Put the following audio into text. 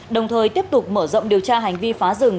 đồng thời tiếp tục mở rộng điều tra hành vi phá rừng